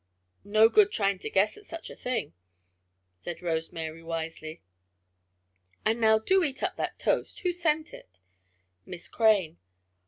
"No good to try guessing at such a thing," said Rose Mary, wisely. "And now do eat up that toast. Who sent it?" "Miss Crane."